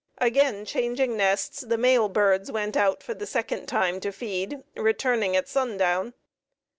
Again changing nests, the male birds went out the second time to feed, returning at sundown.